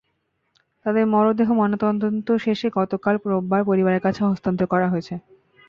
তাঁদের মরদেহ ময়নাতদন্ত শেষে গতকাল রোববার পরিবারের কাছে হস্তান্তর করা হয়েছে।